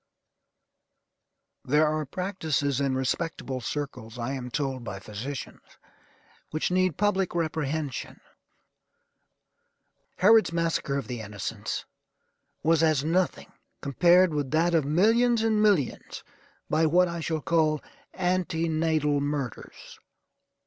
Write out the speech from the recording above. There are practices in respectable circles, I am told by physicians, which need public reprehension. Herod's massacre of the innocents was as nothing compared with that of millions and millions by what I shall call ante natal murders.